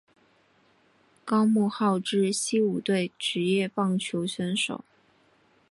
高木浩之西武队职业棒球选手。